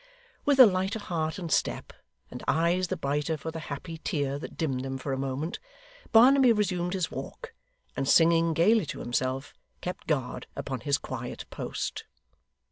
With a lighter heart and step, and eyes the brighter for the happy tear that dimmed them for a moment, Barnaby resumed his walk; and singing gaily to himself, kept guard upon his quiet post.